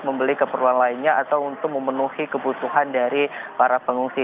membeli keperluan lainnya atau untuk memenuhi kebutuhan dari para pengungsi